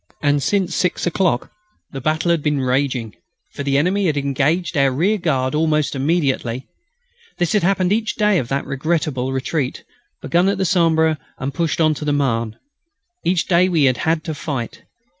And since six o'clock the battle had been raging, for the enemy had engaged our rearguard almost immediately. This had happened each day of that unforgettable retreat, begun at the Sambre and pushed beyond the Marne. Each day we had had to fight.